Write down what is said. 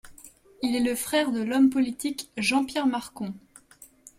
Il est le frère de l'homme politique Jean-Pierre Marcon.